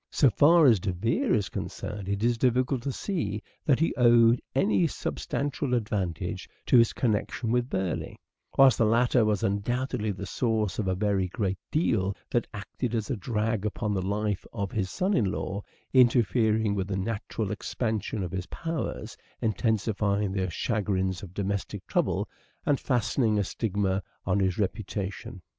So far as De Vere is concerned it is difficult to see that he owed any sub stantial advantage to his connection with Burleigh; whilst the latter was undoubtedly the source of a very great deal that acted as a drag upon the life of his son in law, interfering with the natural expansion of his powers, intensifying the chagrins of domestic trouble, and fastening a stigma on his reputation.